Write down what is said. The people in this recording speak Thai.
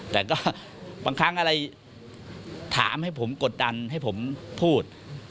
แต่ก็บางครั้งอะไรถามให้ผมกดดันให้ผมพูด